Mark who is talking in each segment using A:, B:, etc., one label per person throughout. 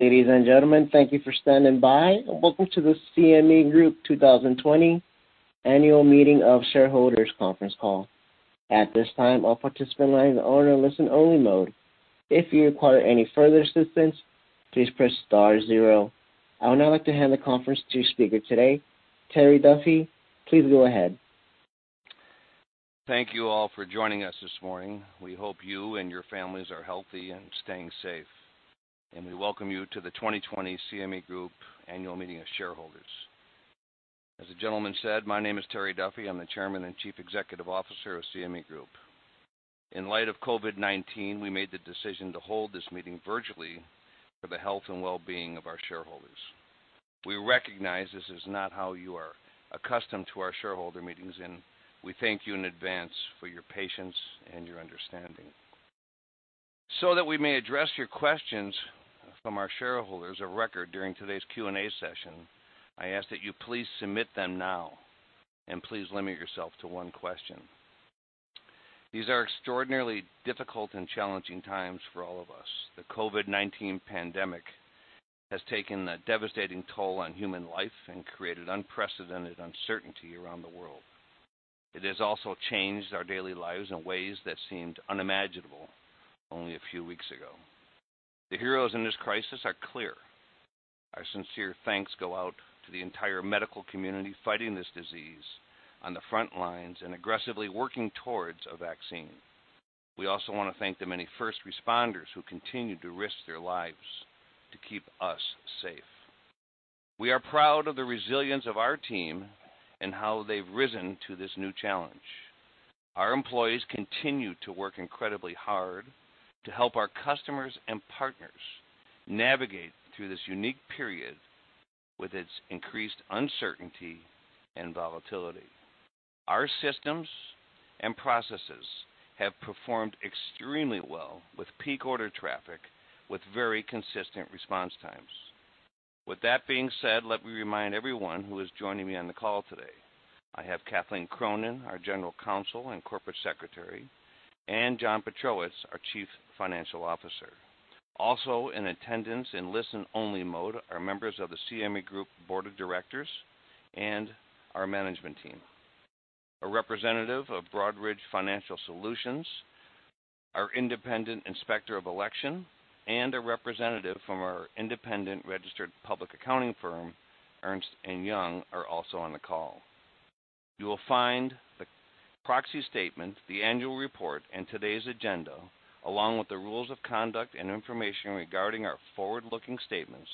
A: Ladies and gentlemen, thank you for standing by, and welcome to the CME Group 2020 Annual Meeting of Shareholders conference call. At this time, all participant lines are in a listen-only mode. If you require any further assistance, please press star zero. I would now like to hand the conference to your speaker today, Terry Duffy. Please go ahead.
B: Thank you all for joining us this morning. We hope you and your families are healthy and staying safe, and we welcome you to the 2020 CME Group Annual Meeting of Shareholders. As the gentleman said, my name is Terry Duffy. I'm the Chairman and Chief Executive Officer of CME Group. In light of COVID-19, we made the decision to hold this meeting virtually for the health and well-being of our shareholders. We recognize this is not how you are accustomed to our shareholder meetings, and we thank you in advance for your patience and your understanding. That we may address your questions from our shareholders of record during today's Q&A session, I ask that you please submit them now, and please limit yourself to one question. These are extraordinarily difficult and challenging times for all of us. The COVID-19 pandemic has taken a devastating toll on human life and created unprecedented uncertainty around the world. It has also changed our daily lives in ways that seemed unimaginable only a few weeks ago. The heroes in this crisis are clear. Our sincere thanks go out to the entire medical community fighting this disease on the front lines and aggressively working towards a vaccine. We also want to thank the many first responders who continue to risk their lives to keep us safe. We are proud of the resilience of our team and how they've risen to this new challenge. Our employees continue to work incredibly hard to help our customers and partners navigate through this unique period with its increased uncertainty and volatility. Our systems and processes have performed extremely well with peak order traffic, with very consistent response times. With that being said, let me remind everyone who is joining me on the call today. I have Kathleen Cronin, our General Counsel and Corporate Secretary, and John Pietrowicz, our Chief Financial Officer. Also in attendance in listen-only mode are members of the CME Group Board of Directors and our management team. A representative of Broadridge Financial Solutions, our independent Inspector of Election, and a representative from our independent registered public accounting firm, Ernst & Young, are also on the call. You will find the proxy statement, the annual report, and today's agenda, along with the rules of conduct and information regarding our forward-looking statements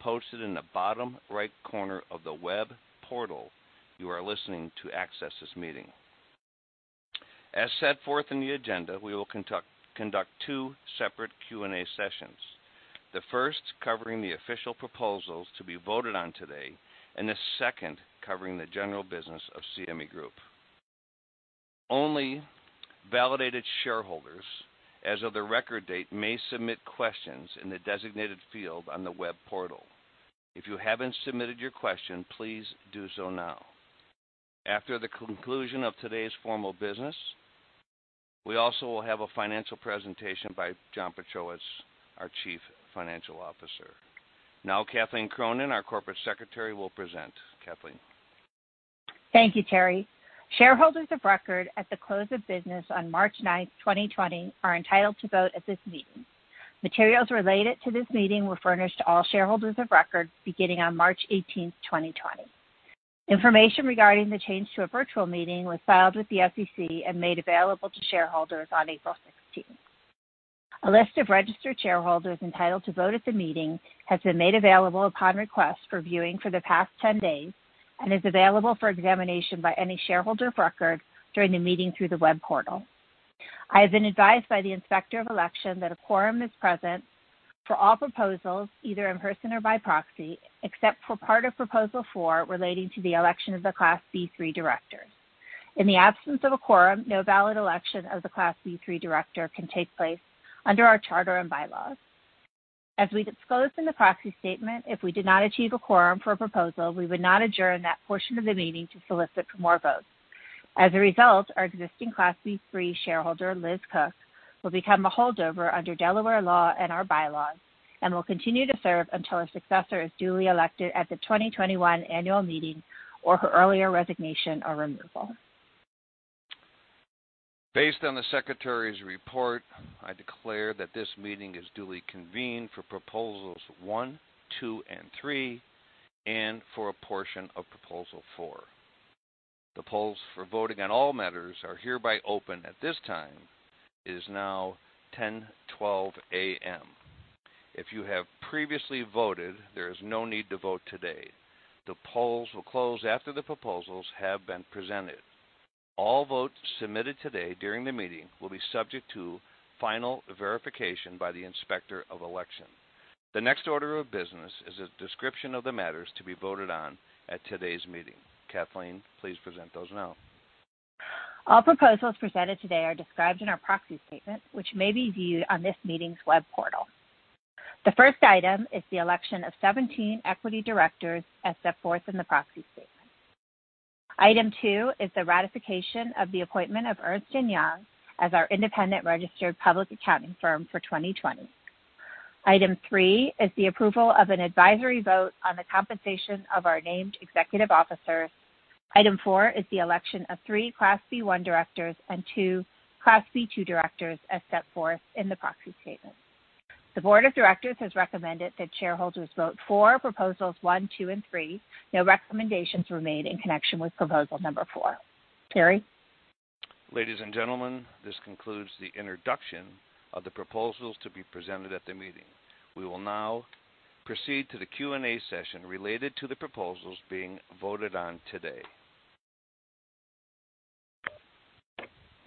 B: posted in the bottom right corner of the web portal you are listening to access this meeting. As set forth in the agenda, we will conduct two separate Q&A sessions, the first covering the official proposals to be voted on today, and the second covering the general business of CME Group. Only validated shareholders as of the record date may submit questions in the designated field on the web portal. If you haven't submitted your question, please do so now. After the conclusion of today's formal business, we also will have a financial presentation by John Pietrowicz, our Chief Financial Officer. Now, Kathleen Cronin, our Corporate Secretary, will present. Kathleen.
C: Thank you, Terry. Shareholders of record at the close of business on March 9th, 2020, are entitled to vote at this meeting. Materials related to this meeting were furnished to all shareholders of record beginning on March 18th, 2020. Information regarding the change to a virtual meeting was filed with the SEC and made available to shareholders on April 16th. A list of registered shareholders entitled to vote at the meeting has been made available upon request for viewing for the past 10 days and is available for examination by any shareholder of record during the meeting through the web portal. I have been advised by the Inspector of Election that a quorum is present for all proposals, either in person or by proxy, except for part of Proposal four relating to the election of the Class B-3 director. In the absence of a quorum, no valid election of the Class B-3 director can take place under our charter and bylaws. As we disclosed in the proxy statement, if we did not achieve a quorum for a proposal, we would not adjourn that portion of the meeting to solicit for more votes. As a result, our existing Class B-3 shareholder, Liz Cook, will become a holdover under Delaware law and our bylaws and will continue to serve until a successor is duly elected at the 2021 annual meeting or her earlier resignation or removal.
B: Based on the secretary's report, I declare that this meeting is duly convened for Proposals one, two, and three and for a portion of Proposal four. The polls for voting on all matters are hereby open at this time. It is now 10:12 A.M. If you have previously voted, there is no need to vote today. The polls will close after the proposals have been presented. All votes submitted today during the meeting will be subject to final verification by the Inspector of Election. The next order of business is a description of the matters to be voted on at today's meeting. Kathleen, please present those now.
C: All proposals presented today are described in our proxy statement, which may be viewed on this meeting's web portal. The first item is the election of 17 equity directors as set forth in the proxy statement. Item two is the ratification of the appointment of Ernst & Young as our independent registered public accounting firm for 2020. Item three is the approval of an advisory vote on the compensation of our named executive officers. Item four is the election of three Class B-1 directors and two Class B-2 directors as set forth in the proxy statement. The Board of Directors has recommended that shareholders vote for proposals one, two, and three. No recommendations were made in connection with proposal number four. Terry?
B: Ladies and gentlemen, this concludes the introduction of the proposals to be presented at the meeting. We will now proceed to the Q&A session related to the proposals being voted on today.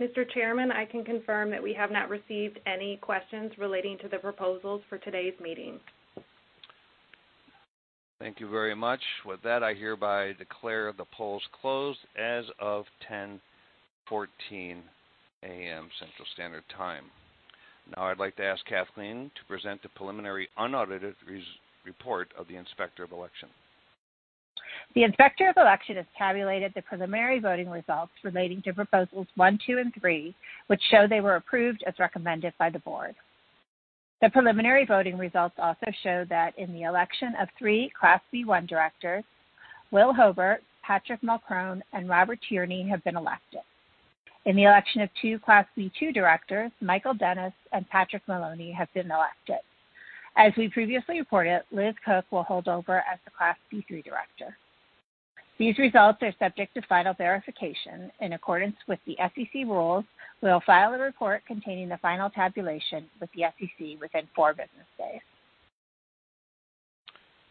D: Mr. Chairman, I can confirm that we have not received any questions relating to the proposals for today's meeting.
B: Thank you very much. With that, I hereby declare the polls closed as of 10:14 A.M. Central Standard Time. Now I'd like to ask Kathleen to present the preliminary unaudited report of the Inspector of Election.
C: The Inspector of Election has tabulated the preliminary voting results relating to proposals one, two, and three, which show they were approved as recommended by the board. The preliminary voting results also show that in the election of 3 Class B-1 directors, Will Hobert, Patrick Mulchrone, and Robert Tierney have been elected. In the election of 2 Class B-2 directors, Michael Dennis and Patrick Maloney have been elected. As we previously reported, Liz Cook will hold over as the Class B-3 director. These results are subject to final verification. In accordance with the SEC rules, we'll file a report containing the final tabulation with the SEC within four business days.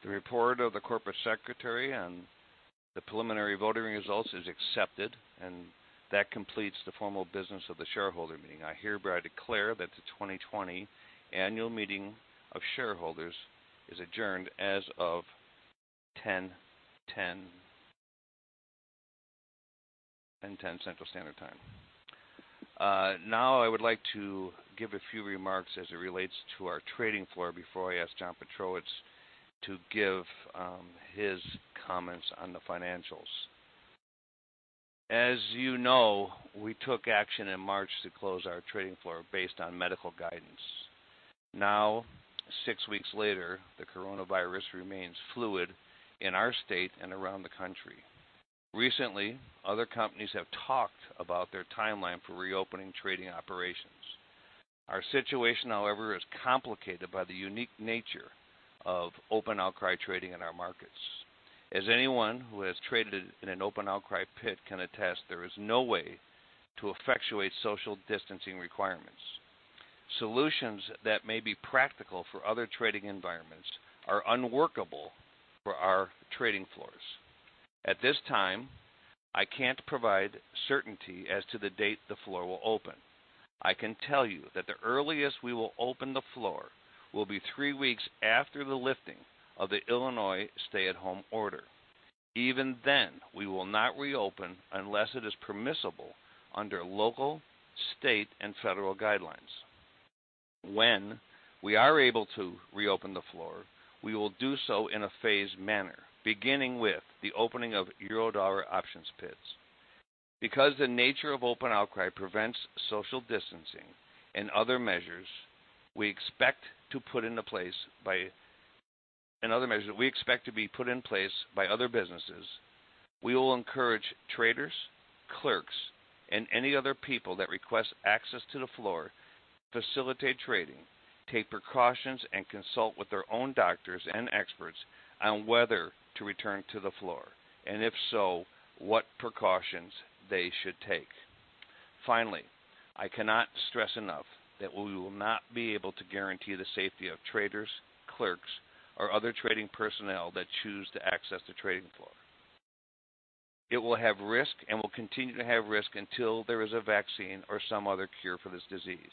B: The report of the Corporate Secretary and the preliminary voting results is accepted. That completes the formal business of the Annual Meeting of Shareholders. I hereby declare that the 2020 Annual Meeting of Shareholders is adjourned as of 10:10 A.M. Central Standard Time. I would like to give a few remarks as it relates to our trading floor before I ask John Pietrowicz to give his comments on the financials. As you know, we took action in March to close our trading floor based on medical guidance. Six weeks later, the coronavirus remains fluid in our state and around the country. Recently, other companies have talked about their timeline for reopening trading operations. Our situation, however, is complicated by the unique nature of open outcry trading in our markets. As anyone who has traded in an open outcry pit can attest, there is no way to effectuate social distancing requirements. Solutions that may be practical for other trading environments are unworkable for our trading floors. At this time, I can't provide certainty as to the date the floor will open. I can tell you that the earliest we will open the floor will be three weeks after the lifting of the Illinois stay-at-home order. Even then, we will not reopen unless it is permissible under local, state, and federal guidelines. When we are able to reopen the floor, we will do so in a phased manner, beginning with the opening of Eurodollar options pits. Because the nature of open outcry prevents social distancing and other measures we expect to be put in place by other businesses, we will encourage traders, clerks, and any other people that request access to the floor to facilitate trading, take precautions, and consult with their own doctors and experts on whether to return to the floor, and if so, what precautions they should take. Finally, I cannot stress enough that we will not be able to guarantee the safety of traders, clerks, or other trading personnel that choose to access the trading floor. It will have risk and will continue to have risk until there is a vaccine or some other cure for this disease.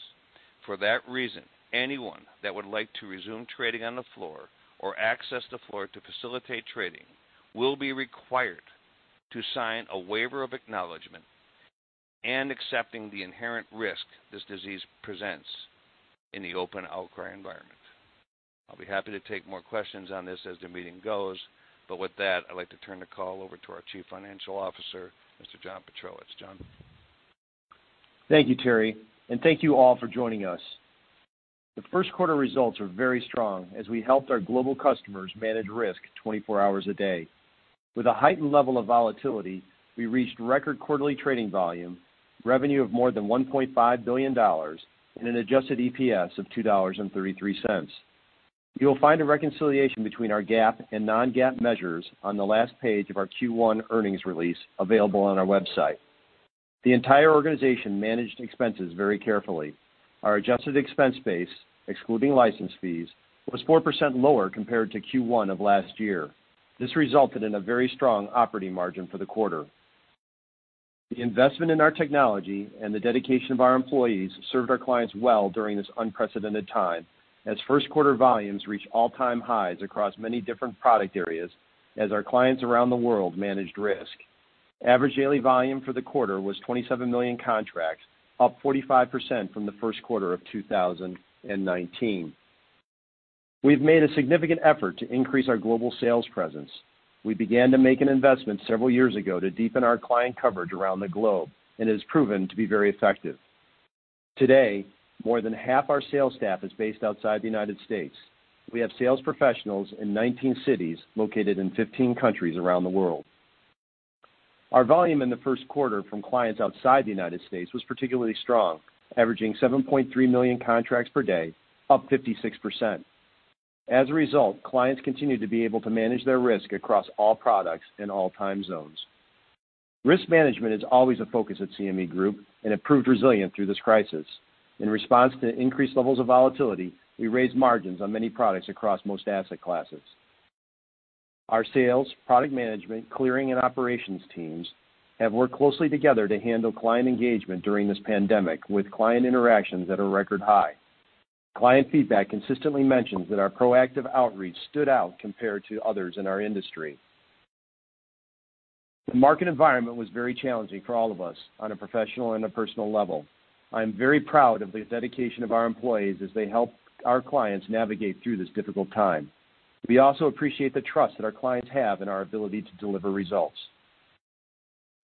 B: For that reason, anyone that would like to resume trading on the floor or access the floor to facilitate trading will be required to sign a waiver of acknowledgment and accepting the inherent risk this disease presents in the open outcry environment. I'll be happy to take more questions on this as the meeting goes, but with that, I'd like to turn the call over to our Chief Financial Officer, Mr. John Pietrowicz. John?
E: Thank you, Terry, and thank you all for joining us. The first quarter results were very strong as we helped our global customers manage risk 24 hours a day. With a heightened level of volatility, we reached record quarterly trading volume, revenue of more than $1.5 billion, and an adjusted EPS of $2.33. You'll find a reconciliation between our GAAP and non-GAAP measures on the last page of our Q1 earnings release available on our website. The entire organization managed expenses very carefully. Our adjusted expense base, excluding license fees, was 4% lower compared to Q1 of last year. This resulted in a very strong operating margin for the quarter. The investment in our technology and the dedication of our employees served our clients well during this unprecedented time as first quarter volumes reached all-time highs across many different product areas as our clients around the world managed risk. Average daily volume for the quarter was 27 million contracts, up 45% from the first quarter of 2019. We've made a significant effort to increase our global sales presence. We began to make an investment several years ago to deepen our client coverage around the globe, and it has proven to be very effective. Today, more than half our sales staff is based outside the U.S. We have sales professionals in 19 cities located in 15 countries around the world. Our volume in the first quarter from clients outside the U.S. was particularly strong, averaging 7.3 million contracts per day, up 56%. As a result, clients continue to be able to manage their risk across all products in all time zones. Risk management is always a focus at CME Group and it proved resilient through this crisis. In response to increased levels of volatility, we raised margins on many products across most asset classes. Our sales, product management, clearing, and operations teams have worked closely together to handle client engagement during this pandemic, with client interactions at a record high. Client feedback consistently mentions that our proactive outreach stood out compared to others in our industry. The market environment was very challenging for all of us on a professional and a personal level. I am very proud of the dedication of our employees as they helped our clients navigate through this difficult time. We also appreciate the trust that our clients have in our ability to deliver results.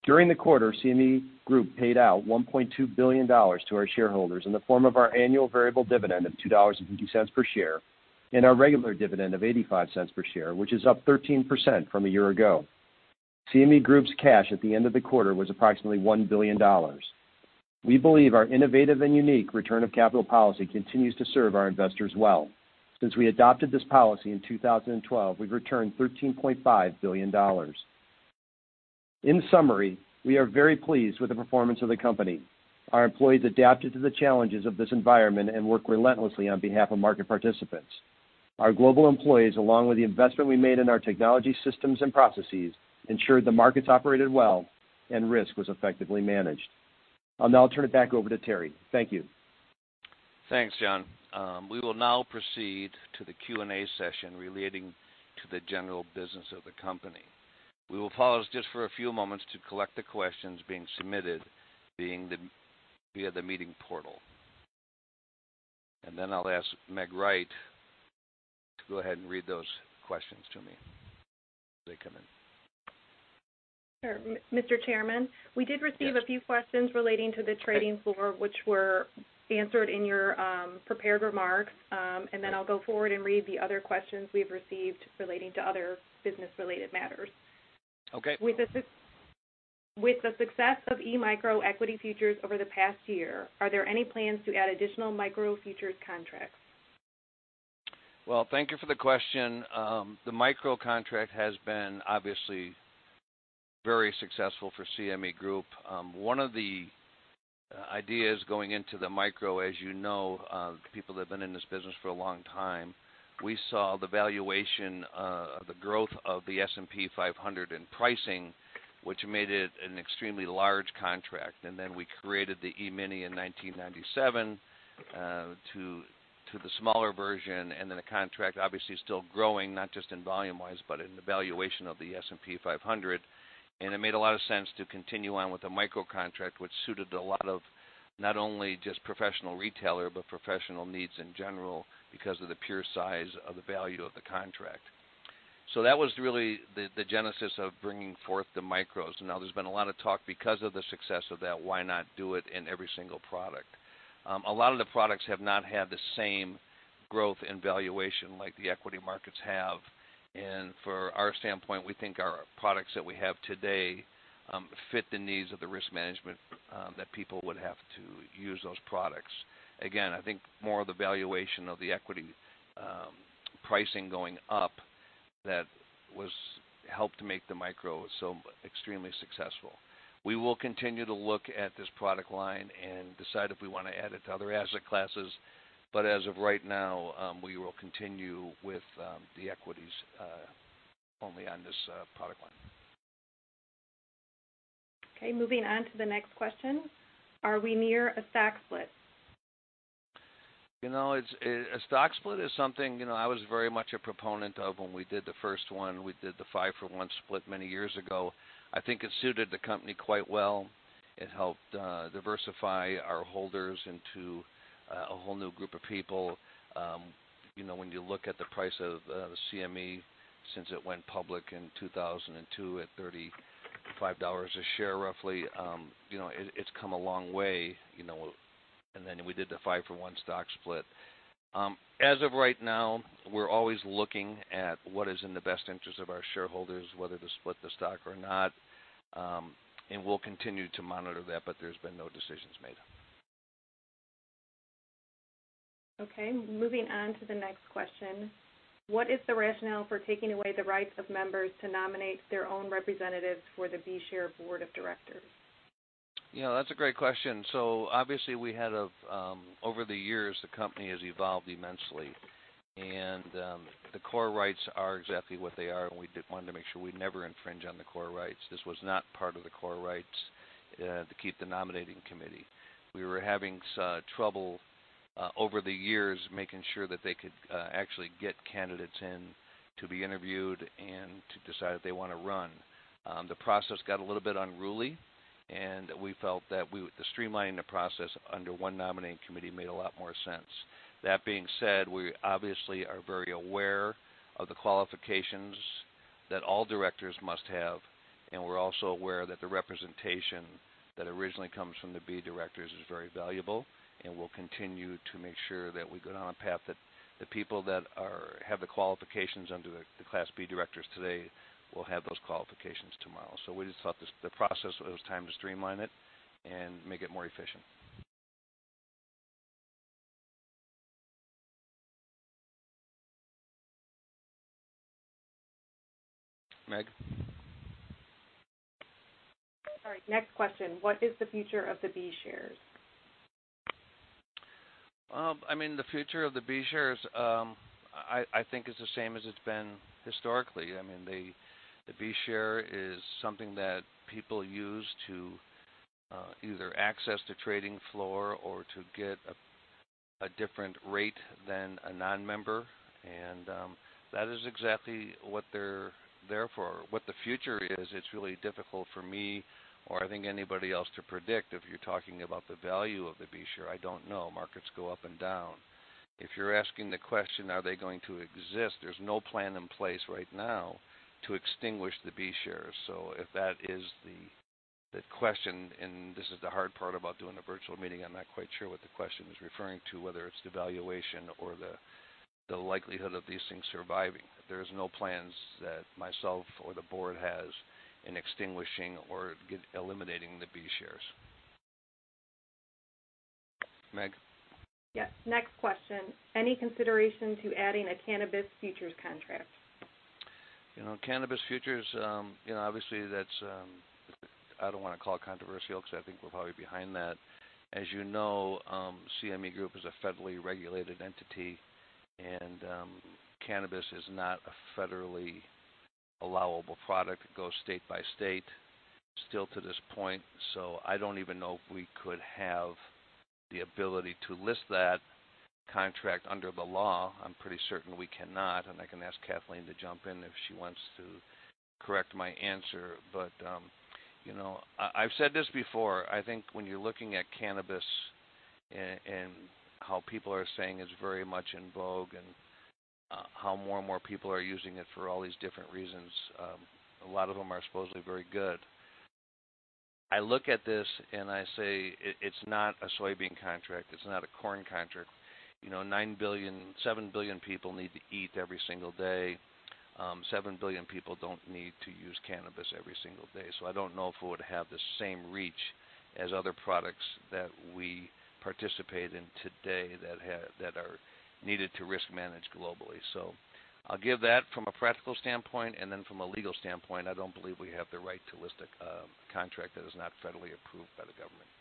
E: During the quarter, CME Group paid out $1.2 billion to our shareholders in the form of our annual variable dividend of $2.50 per share and our regular dividend of $0.85 per share, which is up 13% from a year ago. CME Group's cash at the end of the quarter was approximately $1 billion. We believe our innovative and unique return of capital policy continues to serve our investors well. Since we adopted this policy in 2012, we've returned $13.5 billion. In summary, we are very pleased with the performance of the company. Our employees adapted to the challenges of this environment and worked relentlessly on behalf of market participants. Our global employees, along with the investment we made in our technology systems and processes, ensured the markets operated well and risk was effectively managed. I'll now turn it back over to Terry. Thank you.
B: Thanks, John. We will now proceed to the Q&A session relating to the general business of the company. We will pause just for a few moments to collect the questions being submitted via the meeting portal. Then I'll ask Meg Wright to go ahead and read those questions to me as they come in.
D: Sure. Mr. Chairman.
B: Yes.
D: We did receive a few questions relating to the trading floor, which were answered in your prepared remarks. I'll go forward and read the other questions we've received relating to other business-related matters.
B: Okay.
D: With the success of Micro E-mini equity futures over the past year, are there any plans to add additional micro futures contracts?
B: Well, thank you for the question. The micro contract has been obviously very successful for CME Group. One of the ideas going into the micro, as you know, the people that have been in this business for a long time, we saw the valuation of the growth of the S&P 500 in pricing, which made it an extremely large contract. We created the E-mini in 1997 to the smaller version, the contract obviously still growing, not just in volume-wise but in the valuation of the S&P 500. It made a lot of sense to continue on with the micro contract, which suited a lot of not only just professional retailer, but professional needs in general because of the pure size of the value of the contract. That was really the genesis of bringing forth the micros. There's been a lot of talk because of the success of that, why not do it in every single product? A lot of the products have not had the same growth and valuation like the equity markets have. For our standpoint, we think our products that we have today fit the needs of the risk management that people would have to use those products. Again, I think more of the valuation of the equity pricing going up that helped make the Micro so extremely successful. We will continue to look at this product line and decide if we want to add it to other asset classes, as of right now, we will continue with the equities only on this product line.
D: Okay, moving on to the next question. Are we near a stock split?
B: A stock split is something I was very much a proponent of when we did the first one. We did the 5-for-1 split many years ago. I think it suited the company quite well. It helped diversify our holders into a whole new group of people. When you look at the price of the CME since it went public in 2002 at $35 a share roughly, it's come a long way. Then we did the 5-for-1 stock split. As of right now, we're always looking at what is in the best interest of our shareholders, whether to split the stock or not. We'll continue to monitor that, but there's been no decisions made.
D: Okay, moving on to the next question. What is the rationale for taking away the rights of members to nominate their own representatives for the B Share Board of Directors?
B: That's a great question. Obviously, over the years, the company has evolved immensely. The core rights are exactly what they are, and we wanted to make sure we never infringe on the core rights. This was not part of the core rights to keep the nominating committee. We were having trouble over the years making sure that they could actually get candidates in to be interviewed and to decide if they want to run. The process got a little bit unruly, and we felt that streamlining the process under one nominating committee made a lot more sense. That being said, we obviously are very aware of the qualifications that all directors must have, and we're also aware that the representation that originally comes from the B directors is very valuable, and we'll continue to make sure that we go down a path that the people that have the qualifications under the Class B directors today will have those qualifications tomorrow. We just thought it was time to streamline the process and make it more efficient. Meg?
D: All right. Next question: What is the future of the B shares?
B: The future of the B shares, I think is the same as it's been historically. The B share is something that people use to either access the trading floor or to get a different rate than a non-member, that is exactly what they're there for. What the future is, it's really difficult for me or I think anybody else to predict. If you're talking about the value of the B share, I don't know. Markets go up and down. If you're asking the question, are they going to exist, there's no plan in place right now to extinguish the B shares. If that is the question, this is the hard part about doing a virtual meeting, I'm not quite sure what the question is referring to, whether it's the valuation or the likelihood of these things surviving. There's no plans that myself or the board has in extinguishing or eliminating the B shares. Meg?
D: Yes, next question. Any consideration to adding a cannabis futures contract?
B: Cannabis futures, obviously that's, I don't want to call it controversial because I think we're probably behind that. As you know, CME Group is a federally regulated entity, and cannabis is not a federally allowable product. It goes state by state still to this point. I don't even know if we could have the ability to list that contract under the law. I'm pretty certain we cannot, and I can ask Kathleen to jump in if she wants to correct my answer. I've said this before, I think when you're looking at cannabis and how people are saying it's very much en vogue and how more and more people are using it for all these different reasons, a lot of them are supposedly very good. I look at this and I say, It's not a soybean contract. It's not a corn contract. 7 billion people need to eat every single day. 7 billion people don't need to use cannabis every single day. I don't know if it would have the same reach as other products that we participate in today that are needed to risk manage globally. I'll give that from a practical standpoint, and then from a legal standpoint, I don't believe we have the right to list a contract that is not federally approved by the government.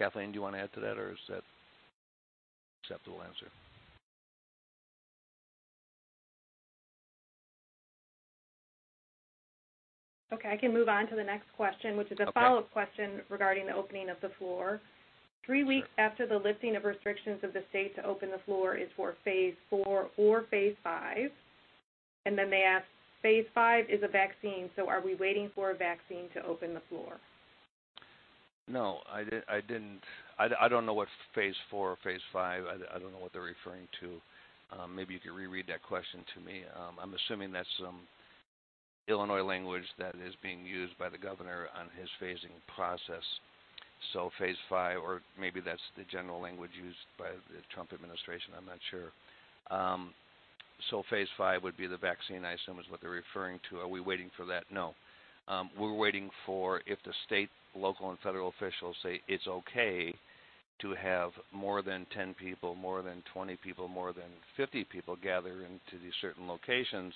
B: Kathleen, do you want to add to that, or is that an acceptable answer?
D: Okay, I can move on to the next question.
B: Okay.
D: Which is a follow-up question regarding the opening of the floor.
B: Sure.
D: Three weeks after the lifting of restrictions of the state to open the floor is for phase IV or phase V. They ask, "phase V is a vaccine, so are we waiting for a vaccine to open the floor?
B: No, I don't know what phase IV or phase V, I don't know what they're referring to. Maybe if you reread that question to me. I'm assuming that's some Illinois language that is being used by the governor on his phasing process. Phase V, or maybe that's the general language used by the Trump administration, I'm not sure. Phase V would be the vaccine, I assume, is what they're referring to. Are we waiting for that? No. We're waiting for if the state, local, and federal officials say it's okay to have more than 10 people, more than 20 people, more than 50 people gather into these certain locations,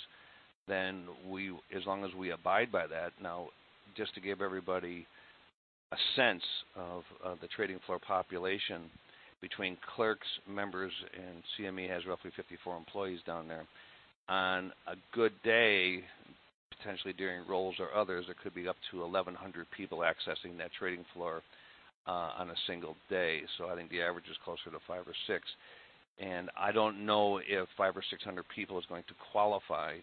B: then as long as we abide by that. Now, just to give everybody a sense of the trading floor population, between clerks, members, and CME has roughly 54 employees down there. On a good day, potentially during rolls or others, there could be up to 1,100 people accessing that trading floor on a single day. I think the average is closer to five or six. I don't know if 500 or 600 people is going to qualify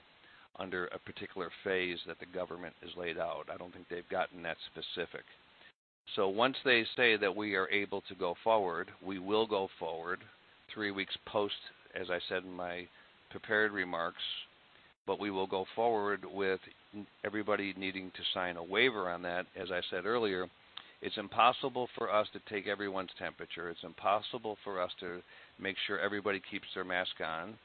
B: under a particular phase that the government has laid out. I don't think they've gotten that specific. Once they say that we are able to go forward, we will go forward three weeks post, as I said in my prepared remarks, but we will go forward with everybody needing to sign a waiver on that. As I said earlier, it's impossible for us to take everyone's temperature. It's impossible for us to make sure everybody keeps their mask on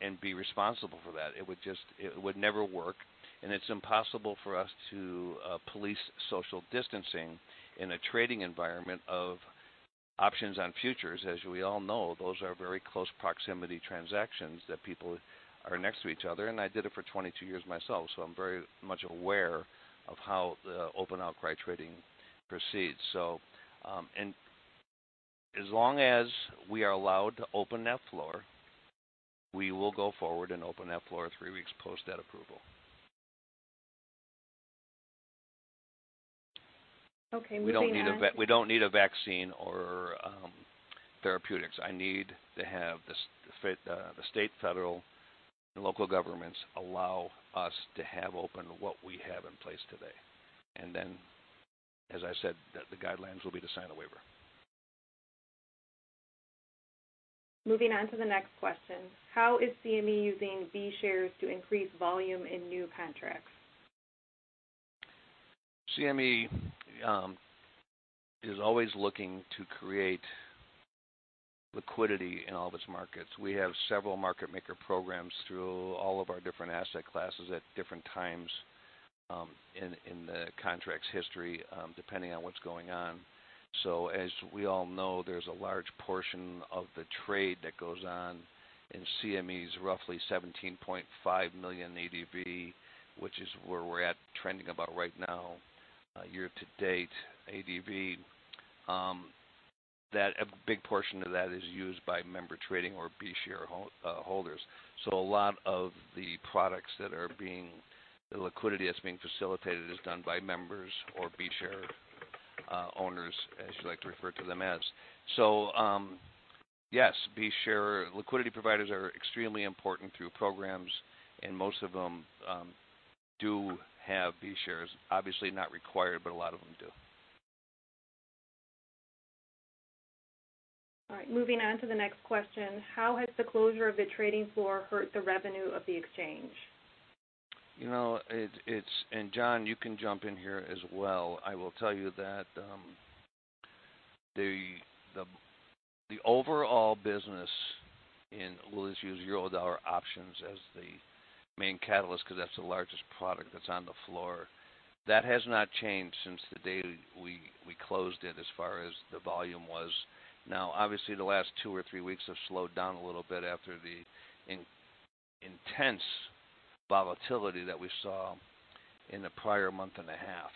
B: and be responsible for that. It would never work. It's impossible for us to police social distancing in a trading environment of options on futures. As we all know, those are very close proximity transactions that people are next to each other, and I did it for 22 years myself, so I'm very much aware of how the open outcry trading proceeds. As long as we are allowed to open that floor, we will go forward and open that floor three weeks post that approval.
D: Okay, moving on.
B: We don't need a vaccine or therapeutics. I need to have the state, federal, and local governments allow us to have open what we have in place today. As I said, the guidelines will be to sign a waiver.
D: Moving on to the next question, how is CME using B shares to increase volume in new contracts?
B: CME is always looking to create liquidity in all of its markets. We have several market maker programs through all of our different asset classes at different times in the contract's history, depending on what's going on. As we all know, there's a large portion of the trade that goes on in CME's roughly $17.5 million ADV, which is where we're at trending about right now, year to date ADV. A big portion of that is used by member trading or B share holders. A lot of the liquidity that's being facilitated is done by members or B share owners, as you like to refer to them as. Yes, B share liquidity providers are extremely important through programs, and most of them do have B shares. Obviously not required, but a lot of them do.
D: All right. Moving on to the next question, how has the closure of the trading floor hurt the revenue of the exchange?
B: John, you can jump in here as well. I will tell you that the overall business in, we'll just use Eurodollar options as the main catalyst because that's the largest product that's on the floor, that has not changed since the day we closed it as far as the volume was. Obviously, the last two or three weeks have slowed down a little bit after the intense volatility that we saw in the prior month and a half.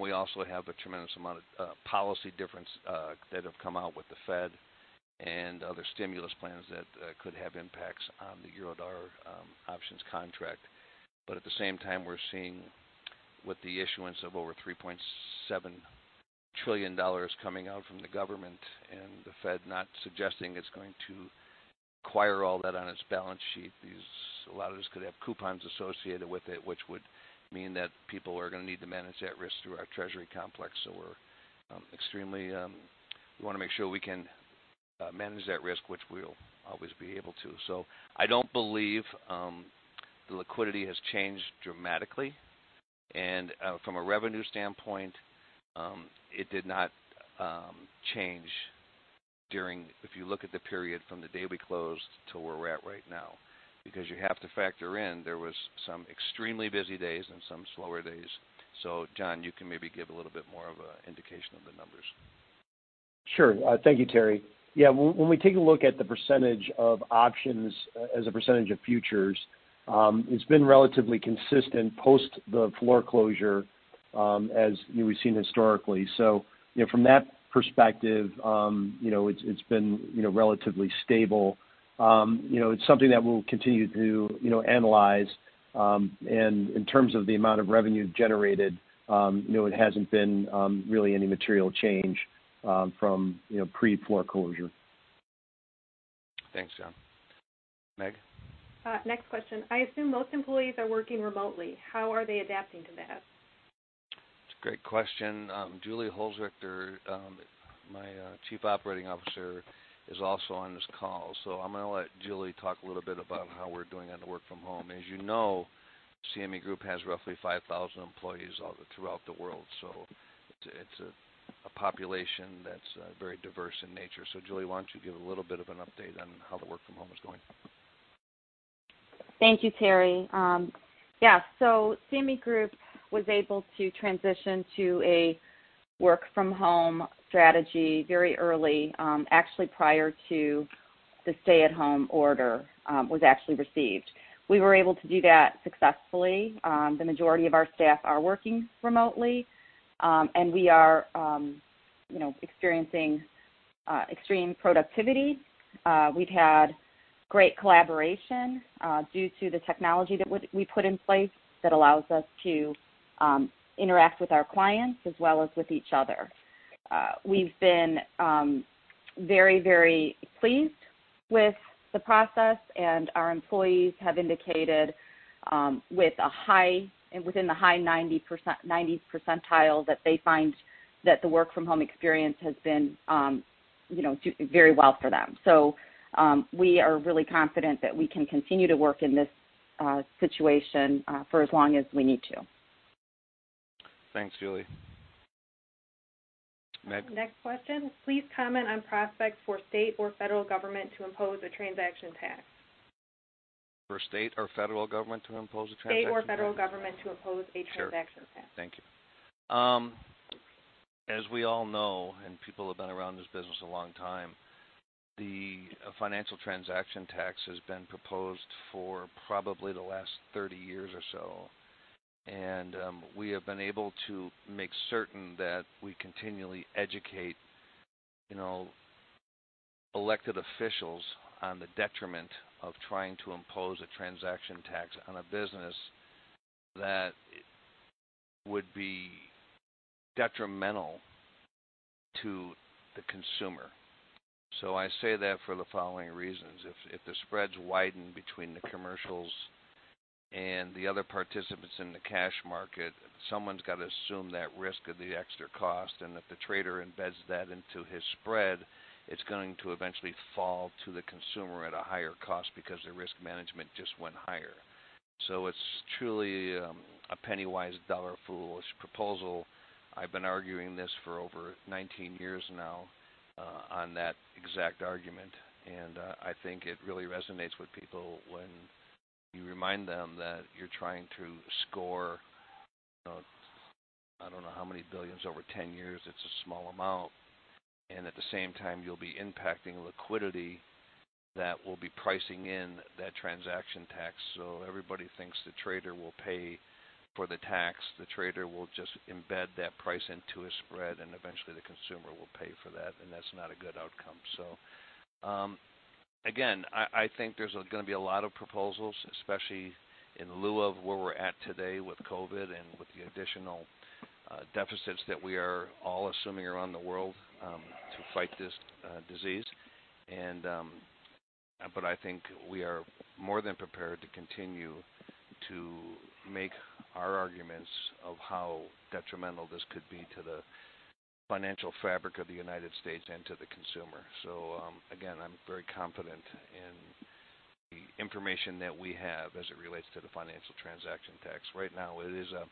B: We also have a tremendous amount of policy difference that have come out with the Fed and other stimulus plans that could have impacts on the Eurodollar options contract. At the same time, we're seeing with the issuance of over $3.7 trillion coming out from the government and the Fed not suggesting it's going to acquire all that on its balance sheet, a lot of this could have coupons associated with it, which would mean that people are going to need to manage that risk through our treasury complex. We want to make sure we can manage that risk, which we'll always be able to. I don't believe the liquidity has changed dramatically, and from a revenue standpoint, it did not change during, if you look at the period from the day we closed to where we're at right now. Because you have to factor in, there was some extremely busy days and some slower days. John, you can maybe give a little bit more of an indication of the numbers.
E: Sure. Thank you, Terry. Yeah, when we take a look at the percentage of options as a percentage of futures, it's been relatively consistent post the floor closure as we've seen historically. From that perspective, it's been relatively stable. It's something that we'll continue to analyze, and in terms of the amount of revenue generated, it hasn't been really any material change from pre-floor closure.
B: Thanks, John. Meg?
D: Next question. I assume most employees are working remotely. How are they adapting to that?
B: That's a great question. Julie Holzrichter, my Chief Operating Officer, is also on this call. I'm going to let Julie talk a little bit about how we're doing on the work from home. As you know, CME Group has roughly 5,000 employees all throughout the world, so it's a population that's very diverse in nature. Julie, why don't you give a little bit of an update on how the work from home is going?
F: Thank you, Terry. CME Group was able to transition to a work from home strategy very early, actually prior to the stay at home order was actually received. We were able to do that successfully. The majority of our staff are working remotely, and we are experiencing extreme productivity. We've had great collaboration due to the technology that we put in place that allows us to interact with our clients as well as with each other. We've been very pleased with the process, and our employees have indicated within the high 90 percentile that they find that the work from home experience has been doing very well for them. We are really confident that we can continue to work in this situation for as long as we need to.
B: Thanks, Julie. Meg?
D: Next question. Please comment on prospects for state or federal government to impose a transaction tax.
B: For state or federal government to impose a transaction tax?
D: State or federal government to impose a transaction tax.
B: Sure. Thank you. As we all know, and people have been around this business a long time, the financial transaction tax has been proposed for probably the last 30 years or so. We have been able to make certain that we continually educate elected officials on the detriment of trying to impose a transaction tax on a business that would be detrimental to the consumer. I say that for the following reasons. If the spreads widen between the commercials and the other participants in the cash market, someone's got to assume that risk of the extra cost, and if the trader embeds that into his spread, it's going to eventually fall to the consumer at a higher cost because their risk management just went higher. It's truly a penny-wise, dollar-foolish proposal. I've been arguing this for over 19 years now on that exact argument. I think it really resonates with people when you remind them that you're trying to score, I don't know how many billions over 10 years, it's a small amount. At the same time, you'll be impacting liquidity that will be pricing in that transaction tax. Everybody thinks the trader will pay for the tax. The trader will just embed that price into a spread. Eventually the consumer will pay for that, and that's not a good outcome. Again, I think there's going to be a lot of proposals, especially in lieu of where we're at today with COVID and with the additional deficits that we are all assuming around the world to fight this disease. I think we are more than prepared to continue to make our arguments of how detrimental this could be to the financial fabric of the U.S. and to the consumer. Again, I'm very confident in the information that we have as it relates to the financial transaction tax. Right now, it is and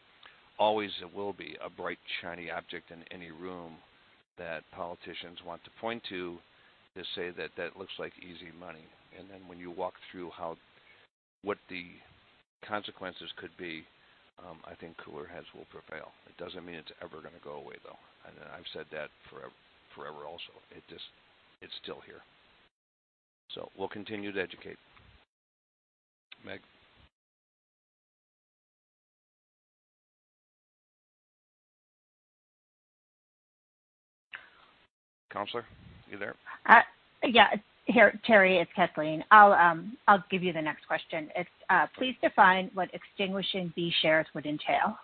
B: always will be a bright, shiny object in any room that politicians want to point to say that that looks like easy money. When you walk through what the consequences could be, I think cooler heads will prevail. It doesn't mean it's ever going to go away, though. I've said that forever also. It's still here. We'll continue to educate. Meg. Counselor, you there?
C: Yeah. Terry, it's Kathleen. I'll give you the next question. It's, please define what extinguishing B shares would entail.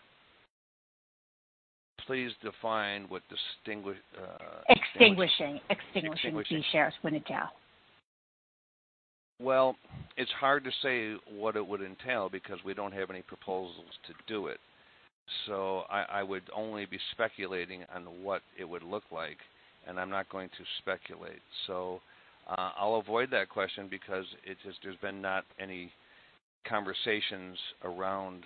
B: Please define what distinguish?
C: Extinguishing.
B: Extinguishes.
C: Extinguishing B shares would entail.
B: Well, it's hard to say what it would entail because we don't have any proposals to do it. I would only be speculating on what it would look like, and I'm not going to speculate. I'll avoid that question because there's been not any conversations around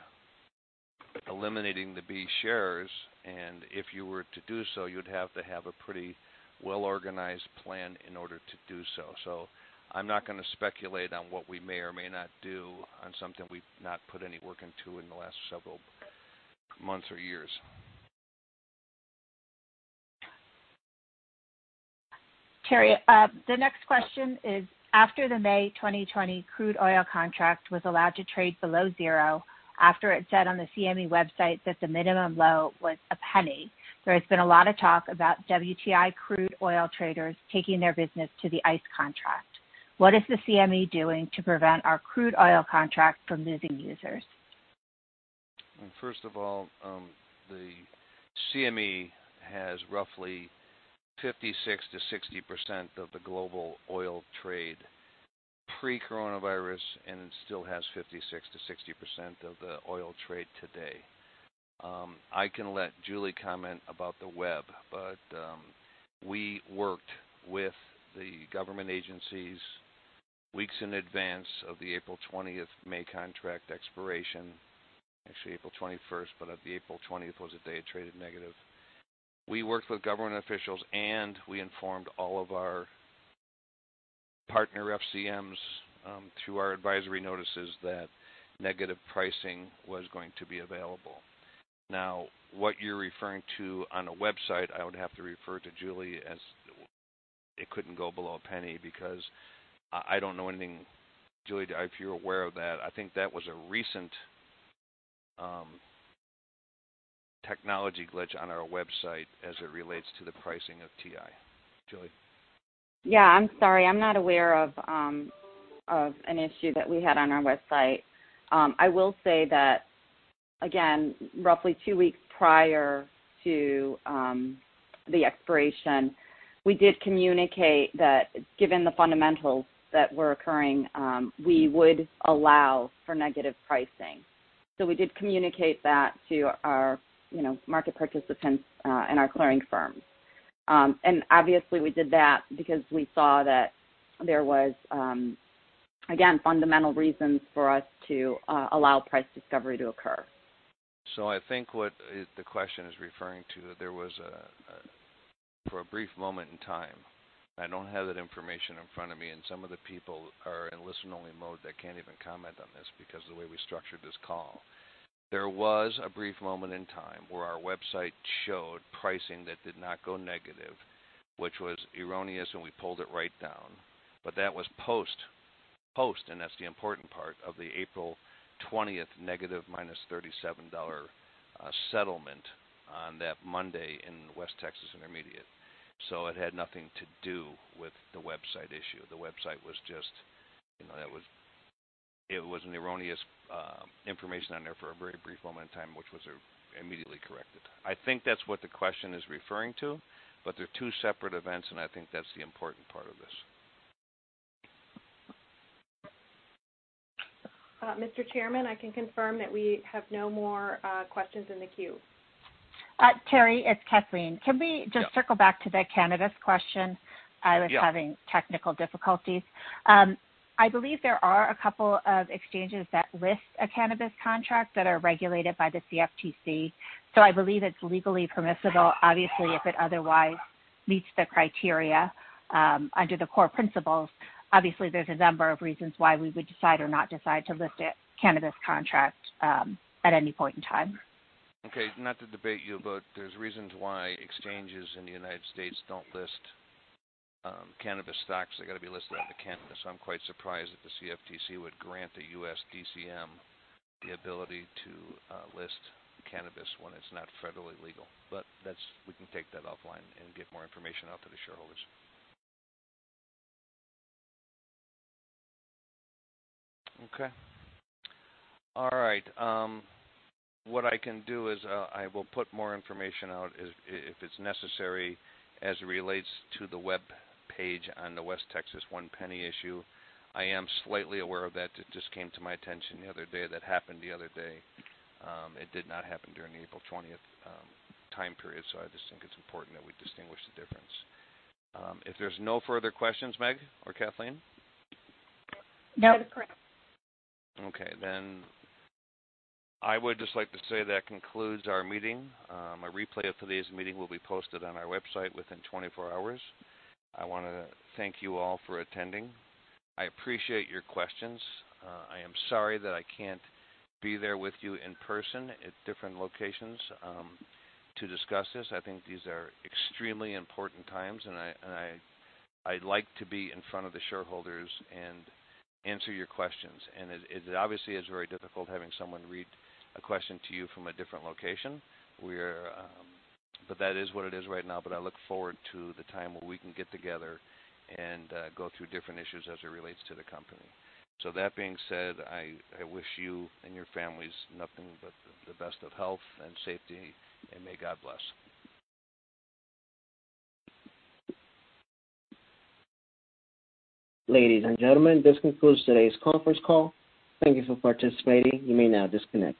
B: eliminating the B shares, and if you were to do so, you'd have to have a pretty well-organized plan in order to do so. I'm not going to speculate on what we may or may not do on something we've not put any work into in the last several months or years.
C: Terry, the next question is, after the May 2020 crude oil contract was allowed to trade below zero, after it said on the CME website that the minimum low was a penny, there has been a lot of talk about WTI crude oil traders taking their business to the ICE contract. What is the CME doing to prevent our crude oil contract from losing users?
B: First of all, the CME has roughly 56%-60% of the global oil trade pre-coronavirus, and it still has 56%-60% of the oil trade today. I can let Julie comment about the web, but we worked with the government agencies weeks in advance of the April 20th May contract expiration. Actually, April 21st, but the April 20th was the day it traded negative. We worked with government officials, and we informed all of our partner FCMs through our advisory notices that negative pricing was going to be available. Now, what you're referring to on a website, I would have to refer to Julie as it couldn't go below a penny because I don't know anything. Julie, if you're aware of that, I think that was a recent technology glitch on our website as it relates to the pricing of WTI. Julie.
F: Yeah, I'm sorry. I'm not aware of an issue that we had on our website. I will say that, again, roughly two weeks prior to the expiration, we did communicate that given the fundamentals that were occurring, we would allow for negative pricing. We did communicate that to our market participants and our clearing firms. Obviously, we did that because we saw that there was, again, fundamental reasons for us to allow price discovery to occur.
B: I think what the question is referring to, there was, for a brief moment in time, I don't have that information in front of me, and some of the people are in listen-only mode that can't even comment on this because the way we structured this call. There was a brief moment in time where our website showed pricing that did not go negative, which was erroneous, and we pulled it right down. That was post, and that's the important part, of the April 20th negative -$37 settlement on that Monday in West Texas Intermediate. It had nothing to do with the website issue. The website was just erroneous information on there for a very brief moment in time, which was immediately corrected. I think that's what the question is referring to, but they're two separate events, and I think that's the important part of this.
D: Mr. Chairman, I can confirm that we have no more questions in the queue.
C: Terry, it's Kathleen.
B: Yeah.
C: Can we just circle back to the cannabis question?
B: Yeah.
C: I was having technical difficulties. I believe there are a couple of exchanges that list a cannabis contract that are regulated by the CFTC. I believe it's legally permissible, obviously, if it otherwise meets the criteria under the core principles. Obviously, there's a number of reasons why we would decide or not decide to list a cannabis contract at any point in time.
B: Okay. Not to debate you, there's reasons why exchanges in the U.S. don't list cannabis stocks. They've got to be listed out of Canada, so I'm quite surprised that the CFTC would grant a U.S. DCM the ability to list cannabis when it's not federally legal. We can take that offline and get more information out to the shareholders. Okay. All right. What I can do is I will put more information out if it's necessary as it relates to the webpage on the West Texas one penny issue. I am slightly aware of that. It just came to my attention the other day. That happened the other day. It did not happen during the April 20th time period, I just think it's important that we distinguish the difference. If there's no further questions, Meg or Kathleen?
D: No.
C: That is correct.
B: I would just like to say that concludes our meeting. A replay of today's meeting will be posted on our website within 24 hours. I want to thank you all for attending. I appreciate your questions. I am sorry that I can't be there with you in person at different locations to discuss this. I think these are extremely important times, and I'd like to be in front of the shareholders and answer your questions. It obviously is very difficult having someone read a question to you from a different location, that is what it is right now. I look forward to the time where we can get together and go through different issues as it relates to the company. That being said, I wish you and your families nothing but the best of health and safety, and may God bless.
A: Ladies and gentlemen, this concludes today's conference call. Thank you for participating. You may now disconnect.